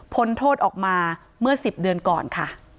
โทษออกมาเมื่อ๑๐เดือนก่อนค่ะ